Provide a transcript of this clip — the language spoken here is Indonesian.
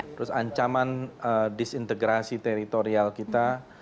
terus ancaman disintegrasi teritorial kita